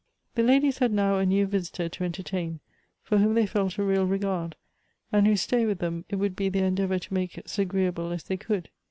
The ladies had now a new visitor to entertain, for whom they felt a real regard, and whose stay with them it would be their endeavor to make as agreeable as they could.